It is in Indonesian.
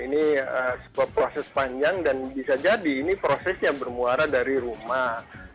ini sebuah proses panjang dan bisa jadi ini prosesnya bermuara dari rumah